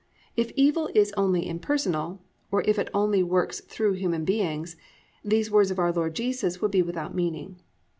If evil is only impersonal, or if it only works through human beings, these words of our Lord Jesus would be without meaning.